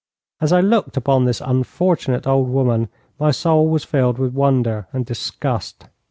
As I looked upon this unfortunate old woman my soul was filled with wonder and disgust.